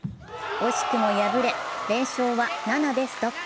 惜しくも敗れ、連勝は７でストップ。